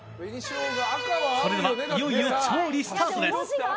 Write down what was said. それではいよいよ調理スタート！